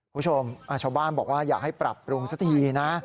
คุณผู้ชมชาวบ้านบอกว่าอยากให้ปรับปรุงสักทีนะ